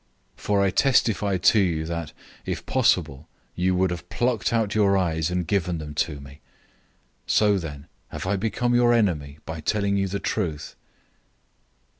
For I testify to you that, if possible, you would have plucked out your eyes and given them to me. 004:016 So then, have I become your enemy by telling you the truth?